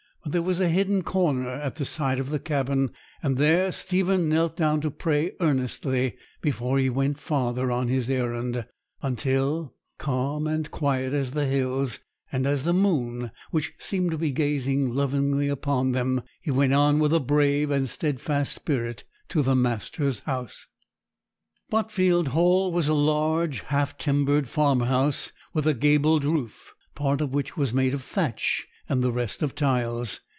But there was a hidden corner at the side of the cabin, and there Stephen knelt down to pray earnestly before he went farther on his errand, until, calm and quiet as the hills, and as the moon which seemed to be gazing lovingly upon them, he went on with a brave and stedfast spirit to the master's house. Botfield Hall was a large, half timbered farmhouse, with a gabled roof, part of which was made of thatch and the rest of tiles.